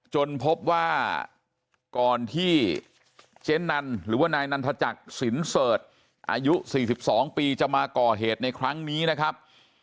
จนพบว่าก่อนที่เจ๊นันหรือว่านายนันทจักรสินเสิร์ชอายุ๔๒ปีจะมาก่อเหตุในครั้งนี้นะครับ